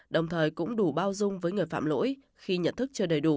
đồng thời cũng đủ bao dung với người phạm lỗi khi nhận thức chưa đầy đủ